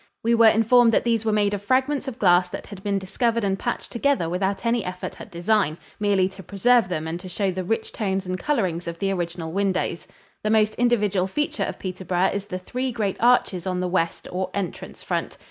We were informed that these were made of fragments of glass that had been discovered and patched together without any effort at design, merely to preserve them and to show the rich tones and colorings of the original windows. The most individual feature of Peterborough is the three great arches on the west, or entrance, front.